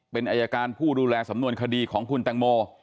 เป็นอายการผู้ดูแลสำนวนคดีของคุณแตงโม